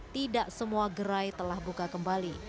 tidak semua gerai telah buka kembali